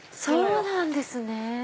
そうなんですね。